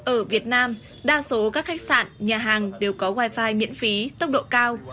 ở việt nam đa số các khách sạn nhà hàng đều có wi fi miễn phí tốc độ cao